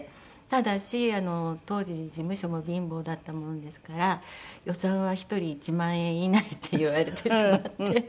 ただし当時事務所も貧乏だったものですから「予算は１人１万円以内」って言われてしまって。